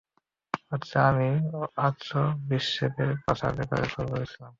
আচ্ছা, আমি আর্চবিশপের পাছার ব্যাপারে ভুল বলেছিলাম।